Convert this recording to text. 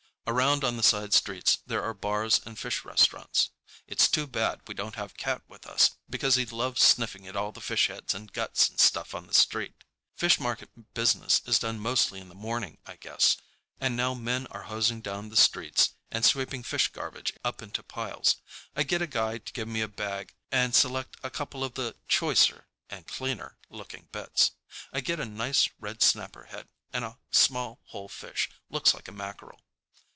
Around on the side streets there are bars and fish restaurants. It's too bad we don't have Cat with us because he'd love sniffing at all the fish heads and guts and stuff on the street. Fish market business is done mostly in the morning, I guess, and now men are hosing down the streets and sweeping fish garbage up into piles. I get a guy to give me a bag and select a couple of the choicer—and cleaner—looking bits. I get a nice red snapper head and a small whole fish, looks like a mackerel.